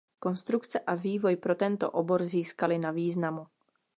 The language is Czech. Konstrukce a vývoj pro tento obor získaly na významu.